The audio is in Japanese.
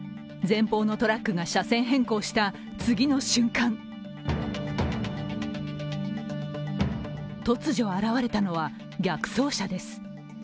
前方のトラックが車線変更した次の瞬間突如現れたのは逆走車です。